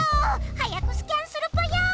早くスキャンするぽよ！